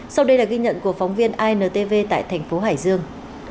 sau đây là ghi nhận của phóng viên intv tại thành phố hải dương